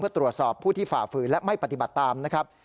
เพื่อตรวจสอบผู้ที่ฝ่าฝืนและไม่ปฏิบัติตามนะครับ